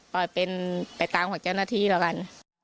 ปล่อยเป็นไปตามของเจ้าหน้าที่แล้วกัน